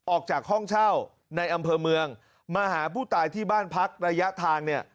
ออกจากห้องเช่าในอำเภอเมืองมาหาผู้ตายที่บ้านพักระยะทางเนี่ย